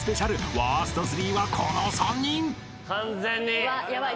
ワースト３はこの３人］